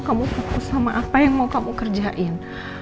kamu fokus sama apa yang mau kamu kerjain